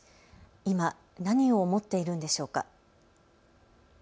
今、何を思っているんでしょうか。